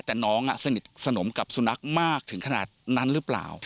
แต่น้องสนิทสนมกับสุนัขมากถึงขนาดนั้นหรือเปล่า